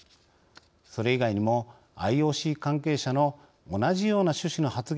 それ以外にもＩＯＣ関係者の同じような趣旨の発言が伝えられました。